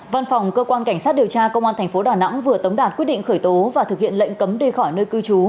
văn phòng cơ quan cảnh sát điều tra công an tp đà nẵng vừa tống đạt quyết định khởi tố và thực hiện lệnh cấm đi khỏi nơi cư trú